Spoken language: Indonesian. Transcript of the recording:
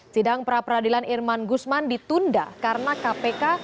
sidang perapradilan irman guzman ditunda karena kpk